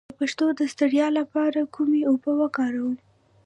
د پښو د ستړیا لپاره کومې اوبه وکاروم؟